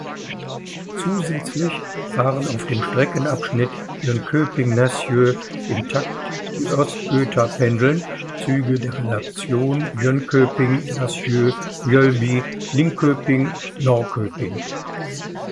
Zusätzlich fahren auf dem Streckenabschnitt Jönköping–Nässjö im Takt die "Östgötapendeln"-Züge der Relation Jönköping–Nässjö–Mjölby–Linköping–Norrköping.